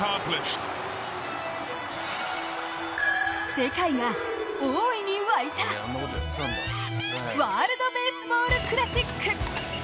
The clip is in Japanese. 世界が大いに沸いたワールドベースボールクラシック。